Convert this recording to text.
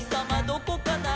どこかな？」